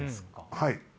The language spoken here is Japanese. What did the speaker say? ・はい。